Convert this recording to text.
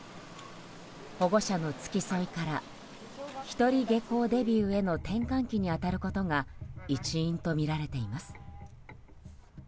保護者の付き添いから１人下校デビューへの転換期に当たることが一因とみられています。